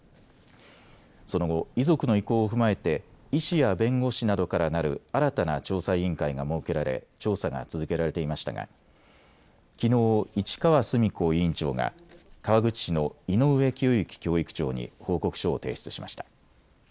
その後、遺族の意向を踏まえて医師や弁護士などからなる新たな調査委員会が設けられ調査が続けられていましたがきのう市川須美子委員長が川口市の井上清之教育長に報告書を提出しました。